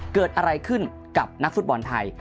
เกิดอะไรขึ้นกับนักฟุตบอลไทย